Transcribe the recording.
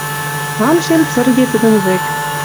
Анжем цырге тӹдӹн вӹк.